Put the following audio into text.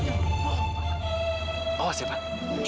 awas ya pak